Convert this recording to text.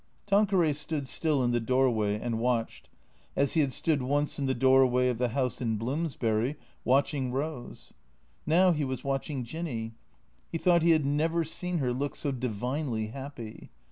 Tanqueray stood still in the doorway and watched, as he had stood once in the doorway of the house in Bloomsbury, watch ing Eose. Now he was watching Jinny. He thought he had never seen her look so divinely happy.